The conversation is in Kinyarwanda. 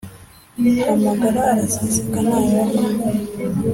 Amagara araseseka ntayorwa!